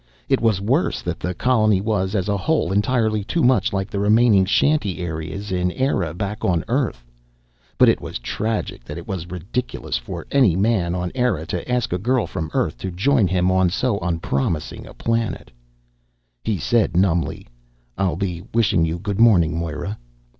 It was worse that the colony was, as a whole, entirely too much like the remaining shanty areas in Eire back on Earth. But it was tragic that it was ridiculous for any man on Eire to ask a girl from Earth to join him on so unpromising a planet. He said numbly: "I'll be wishing you good morning, Moira."